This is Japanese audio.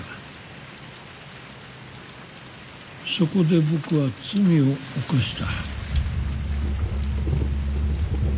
そこで僕は罪を犯した。